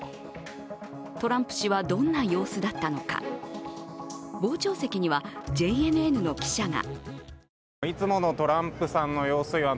トランプ氏はどんな様子だったのか、傍聴席にはＪＮＮの記者が。